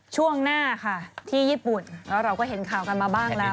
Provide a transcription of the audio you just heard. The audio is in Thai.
ช่วงหน้าค่ะที่ญี่ปุ่นแล้วเราก็เห็นข่าวกันมาบ้างแล้ว